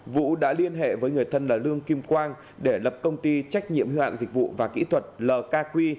vũ đã liên hệ với người thân là lương kim quang để lập công ty trách nhiệm hữu hạn dịch vụ và kỹ thuật lkq